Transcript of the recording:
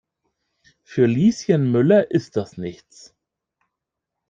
Für Lieschen Müller ist das nichts.